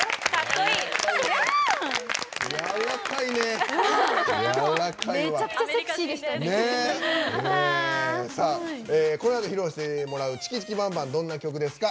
このあと披露してもらう「チキチキバンバン」どんな曲ですか？